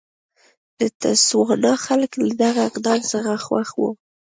د تسوانا خلک له دغه اقدام څخه خوښ وو.